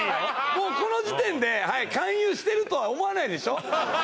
もうこの時点で勧誘してるとは思わないでしょ？